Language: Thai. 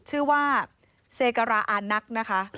ชื่อว่าเซการาอานักนะคะ